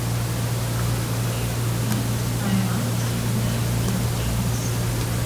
It breeds by mountain lakes and streams.